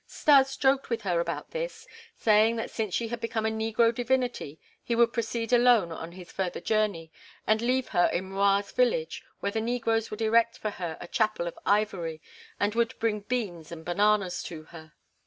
Stas joked with her about this, saying that since she had become a negro divinity he would proceed alone on his further journey and leave her in M'Rua's village, where the negroes would erect for her a chapel of ivory, and would bring beans and bananas to her.